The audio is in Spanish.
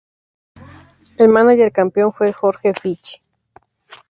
El mánager campeón fue Jorge Fitch.